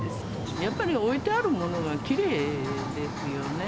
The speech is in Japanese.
やっぱり置いてあるものがきれいですよね。